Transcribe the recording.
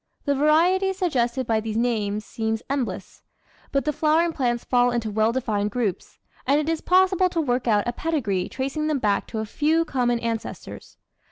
The variety suggested by these names seems endless, but the flowering plants fall into well defined groups, and it is pos sible to work out a pedigree tracing them back to a few common ancestors.